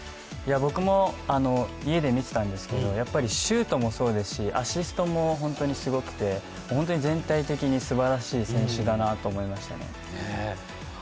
僕も家で見ていたんですけど、シュートもそうですし、アシストも本当にすごくて、本当に全体的にすばらしい選手だと思いましたね。